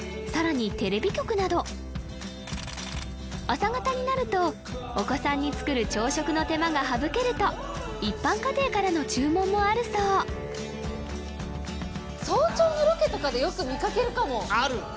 さらにテレビ局など朝方になるとお子さんに作る朝食の手間が省けると一般家庭からの注文もあるそう早朝のロケとかでよく見かけるかもある！